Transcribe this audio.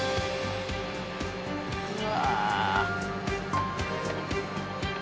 うわ。